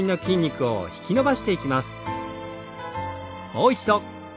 もう一度。